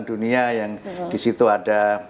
dunia yang disitu ada